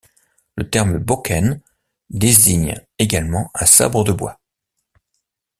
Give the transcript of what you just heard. Le terme Bokken désigne également un sabre de bois.